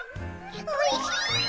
おいしい！